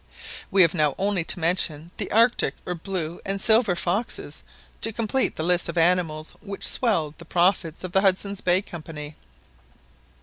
We have now only to mention the Arctic or blue and silver foxes, to complete the list of animals which swelled the profits of the Hudson's Bay Company.